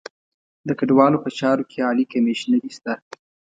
د کډوالو په چارو کې عالي کمیشنري شته.